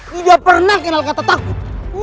tidak pernah kenal kata takut